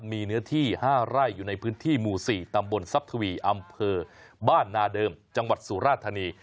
มีเนื้อที่๕ไร่อยู่ในพื้นที่หมู่๔ตำบลทรัพทวีอำเภอบ้านนาเดิมจังหวัดสุราธานี